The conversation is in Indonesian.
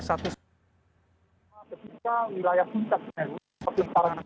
ketika wilayah puncak meneru